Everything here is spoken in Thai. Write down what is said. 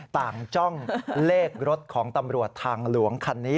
จ้องเลขรถของตำรวจทางหลวงคันนี้